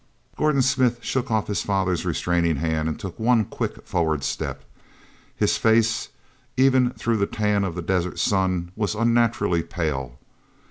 ordon Smith shook off his father's restraining hand and took one quick forward step. His face, even through the tan of the desert sun, was unnaturally pale.